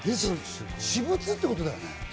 私物ってことだよね。